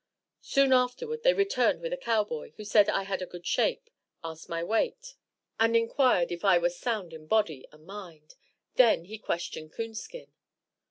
Soon afterward they returned with a cowboy, who said I had a good shape, asked my weight, and inquired if I was sound in body and mind; then he questioned Coonskin.